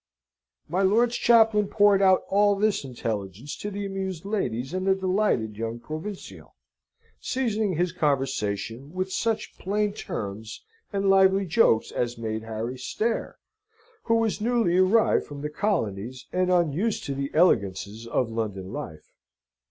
My lord's chaplain poured out all this intelligence to the amused ladies and the delighted young provincial, seasoning his conversation with such plain terms and lively jokes as made Harry stare, who was newly arrived from the colonies, and unused to the elegances of London life.